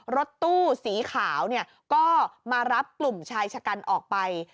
รถตู้สีขาวเนี่ยก็มารับกลุ่มชายชะกันออกไป